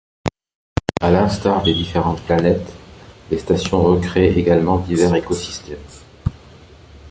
À l'instar des différentes planètes, les stations recréent également divers écosystèmes.